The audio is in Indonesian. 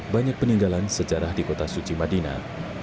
banyak peninggalan sejarah di kota suci madinah